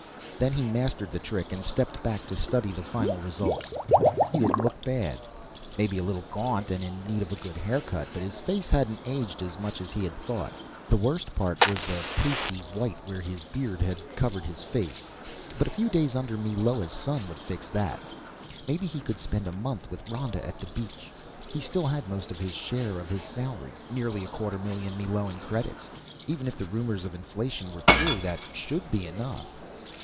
Then he mastered the trick and stepped back to study the final results. He didn't look bad. Maybe a little gaunt and in need of a good haircut. But his face hadn't aged as much as he had thought. The worst part was the pasty white where his beard had covered his face, but a few days under Meloa's sun would fix that. Maybe he could spend a month with Ronda at a beach. He still had most of his share of his salary nearly a quarter million Meloan credits; even if the rumors of inflation were true, that should be enough.